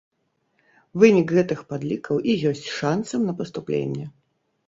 Вынік гэтых падлікаў і ёсць шанцам на паступленне.